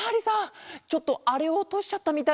ちょっとあれをおとしちゃったみたいなんですけど。